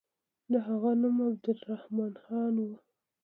د هغه نوم عبدالرحمن خان وو.